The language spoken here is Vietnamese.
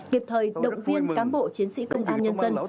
kịp thời động viên cán bộ chiến sĩ công an nhân dân